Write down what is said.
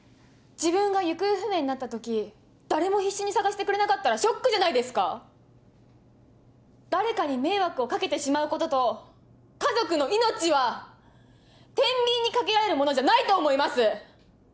自分が行方不明になった時誰も必死に捜してくれなかったらショックじゃないですか⁉誰かに迷惑を掛けてしまうことと家族の命はてんびんにかけられるものじゃないと思います！